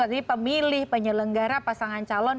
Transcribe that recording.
jadi pemilih penyelenggara pasangan calon